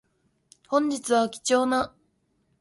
本日は貴重な